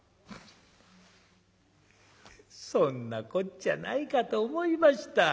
「そんなこっちゃないかと思いました。